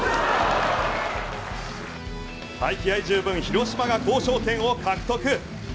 気合十分、広島が交渉権を獲得。